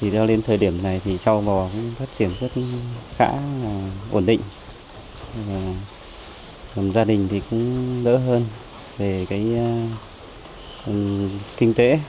đến thời điểm này trâu bò phát triển rất khá ổn định gia đình cũng đỡ hơn về kinh tế